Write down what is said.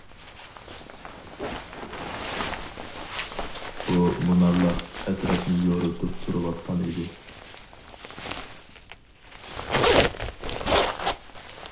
بۇ مۇنارلار ئەتراپنى يورۇتۇپ تۇرۇۋاتقان ئىدى.